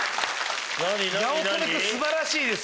八乙女君素晴らしいです